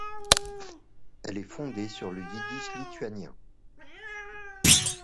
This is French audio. Elle est fondée sur le yiddish lituanien.